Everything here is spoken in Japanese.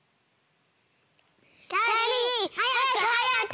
きゃりーはやくはやく！